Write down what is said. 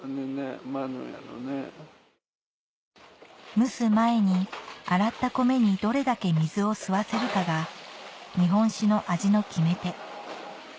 蒸す前に洗った米にどれだけ水を吸わせるかが日本酒の味の決め手